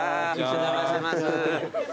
お邪魔してます。